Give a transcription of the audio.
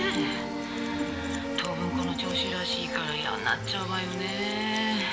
「当分この調子らしいからやんなっちゃうわよね」